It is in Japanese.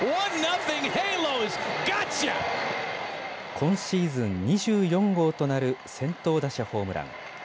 今シーズン２４号となる先頭打者ホームラン。